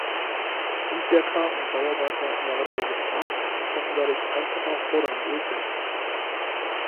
Handwerker und Bauarbeiter waren sehr gefragt und konnten dadurch einfacher Forderungen durchsetzen.